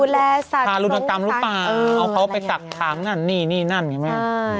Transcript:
คุณแข่งว่าพารุดนักกรรมรูปป๊าเอาเขาไปตักถามนั้นนี่นี่นั่นเนี่ยแหละ